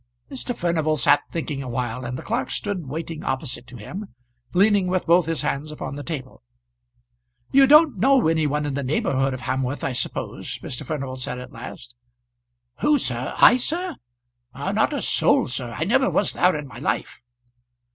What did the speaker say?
Mr. Furnival sat thinking awhile, and the clerk stood waiting opposite to him, leaning with both his hands upon the table. "You don't know any one in the neighbourhood of Hamworth, I suppose?" Mr. Furnival said at last. "Who, sir? I, sir? Not a soul, sir. I never was there in my life."